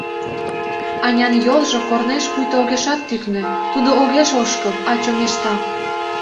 Анян йолжо корнеш пуйто огешат тӱкнӧ, тудо огеш ошкыл, а чоҥешта.